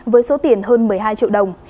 với số tiền hơn một mươi hai triệu đồng